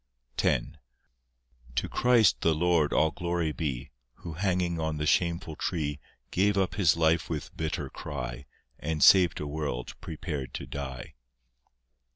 X To Christ the Lord all glory be, Who, hanging on the shameful tree, Gave up His life with bitter cry, And saved a world prepared to die.